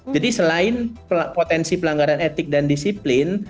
jadi selain potensi pelanggaran etik dan disiplin